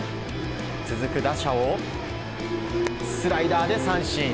続く打者をスライダーで三振。